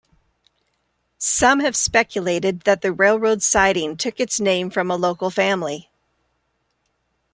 Some have speculated that the railroad siding took its name from a local family.